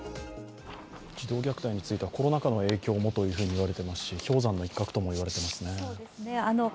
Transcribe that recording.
児童虐待についてはコロナ禍の影響ともいわれていますし氷山の一角とも言われていますね。